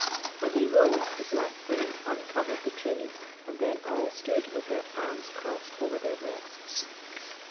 When they rose, the black slaves uncovered the trays, and then all stood with their arms crossed over their breasts.